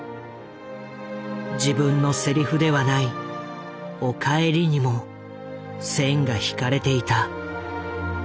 自分のセリフではない「お帰り」にも線が引かれていた。